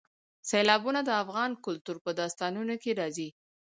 سیلابونه د افغان کلتور په داستانونو کې راځي.